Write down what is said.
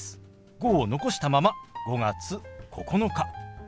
「５」を残したまま「５月９日」。